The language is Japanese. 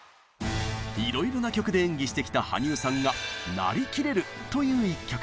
いろいろな曲で演技してきた羽生さんが「なりきれる」という一曲。